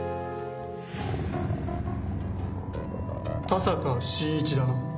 田坂晋一だな？